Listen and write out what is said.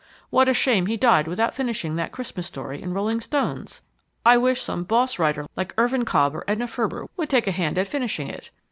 What a shame he died without finishing that Christmas story in Rolling Stones! I wish some boss writer like Irvin Cobb or Edna Ferber would take a hand at finishing it.